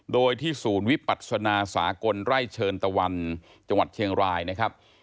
โดยที่ศูนย์วิปัศนาสากลไร่เชิญตะวันจังหวัดเชียงรายนะครับ